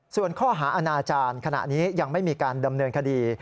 ส่วนข้อหาอาณาจารย์ขณะนี้ยังไม่มีการดำเนินคดี